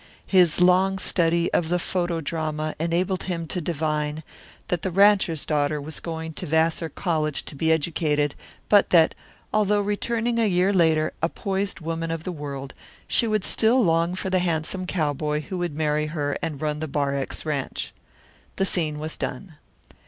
His long study of the photo drama enabled him to divine that the rancher's daughter was going to Vassar College to be educated, but that, although returning a year later a poised woman of the world, she would still long for the handsome cowboy who would marry her and run the Bar X ranch. The scene was done.